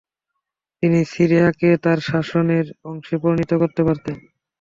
তিনি সিরিয়াকে তার শাসনের অংশে পরিণত করতে পারতেন।